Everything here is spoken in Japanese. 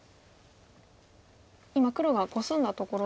今黒がコスんだところですが。